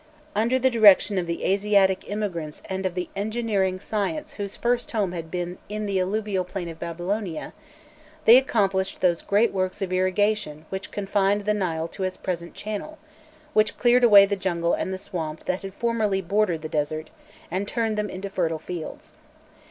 Under the direction of the Asiatic immigrants and of the eugineering science whose first home had been in the alluvial plain of Babylonia, they accomplished those great works of irrigation which confined the Nile to its present channel, which cleared away the jungle and the swamp that had formerly bordered the desert, and turned them into fertile fields.